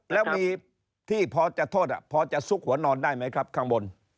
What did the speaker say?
แล้วมีที่พอจะโทษพอจะซุกหัวนอนได้ไหมครับข้างบน